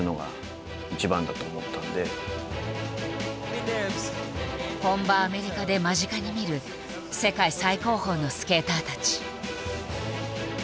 実際に本場アメリカで間近に見る世界最高峰のスケーターたち。